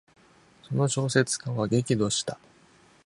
その小説家は激怒した。